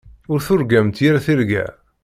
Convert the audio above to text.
Ur turgamt yir tirga.